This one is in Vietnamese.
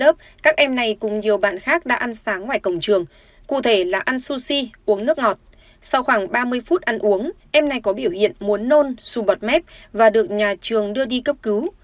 sau khoảng ba mươi phút ăn uống em này có biểu hiện muốn nôn xù bọt mép và được nhà trường đưa đi cấp cứu